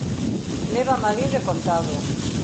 Lévame alí de contado!